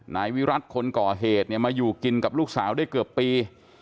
นายวิรัติคนก่อเหตุเนี่ยมาอยู่กินกับลูกสาวได้เกือบปี